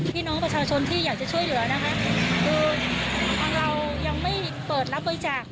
พี่น้องประชาชนที่อยากจะช่วยเหลือนะคะคือทางเรายังไม่เปิดรับบริจาค